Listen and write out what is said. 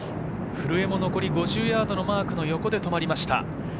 古江も残り５０ヤードのマークの横で止まりました。